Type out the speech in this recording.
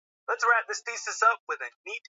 Lakini kwa mujibu wa taarifaya Benki ya Dunia